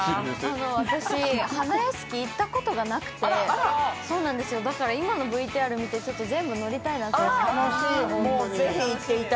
私、花やしき行ったことがなくて、だから今のＶＴＲ見てちょっと全部乗りたいなと思いました。